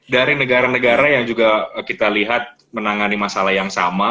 dari negara negara yang juga kita lihat menangani masalah yang sama